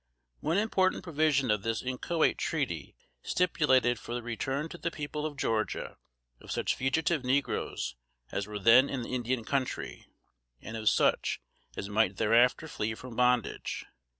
One important provision of this inchoate treaty stipulated for the return to the people of Georgia of such fugitive negroes as were then in the Indian country, and of such as might thereafter flee from bondage.